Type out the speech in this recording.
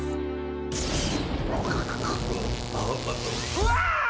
うわ！